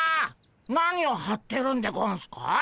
何をはってるんでゴンスか？